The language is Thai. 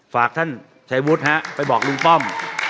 ฝากท่านชัยวุฒิฮะไปบอกลุงป้อม